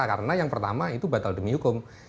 karena yang pertama itu batal demi hukum